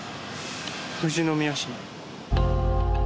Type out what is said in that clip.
富士宮市。